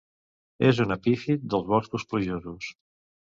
És un epífit dels boscos plujosos.